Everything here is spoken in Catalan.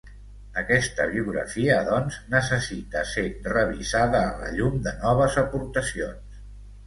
Aquesta biografia doncs necessita ser revisada a la llum de noves aportacions.